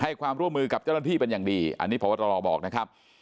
ให้ความร่วมมือกับเจ้าหน้าที่เป็นอย่างดีอันนี้พบตรบอกนะครับ